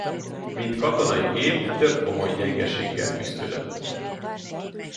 Mint katonai gép több komoly gyengeséggel küszködött.